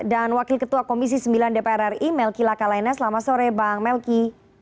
dan wakil ketua komisi sembilan dpr ri melki lakalene selamat sore bang melki